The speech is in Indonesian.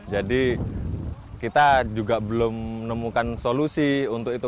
jadi kita juga belum menemukan solusi untuk itu